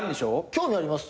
興味あります。